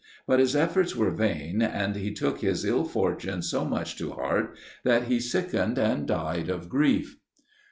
But his efforts were vain; and he took his ill fortune so much to heart that he sickened and died of grief.